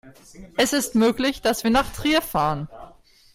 Es ist möglich, dass wir nach Trier fahren